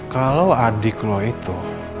kalau adik lo itu